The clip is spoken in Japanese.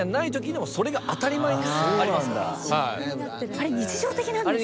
あれ日常的なんですね。